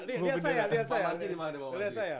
ini saya berdiri aja nih